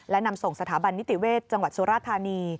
และนำส่งสถาบันนิติเวศจังหวัดสุราธานี